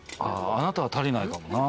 あなたは足りないかもな。